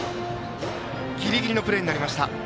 ギリギリのプレーになりました。